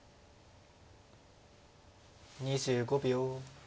２５秒。